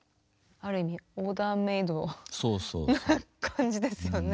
ある意味オーダーメードな感じですよね。